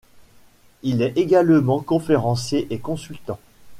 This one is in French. Il est également conférencier et consultant.